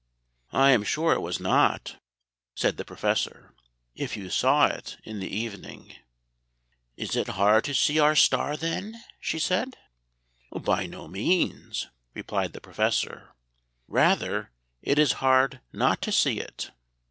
"I am sure it was not," said the Professor, "if you saw it in the evening." "Is it hard to see our star, then?" she said. "By no means," replied the Professor; "rather it is hard not to see it.